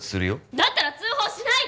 だったら通報しないで！